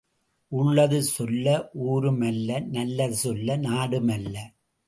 உள்ளது சொல்ல ஊரும் அல்ல நல்லது சொல்ல நாடும் அல்ல.